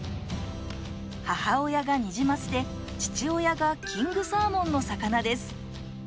母親がニジマスで父親がキングサーモンの魚です。